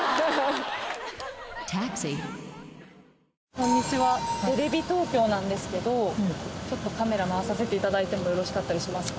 こんにちはテレビ東京なんですけどちょっとカメラ回させていただいてもよろしかったりしますか？